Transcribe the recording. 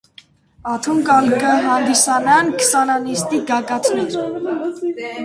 Ատոնք ալ կը հանդիսանան քսանանիստի գագաթներ։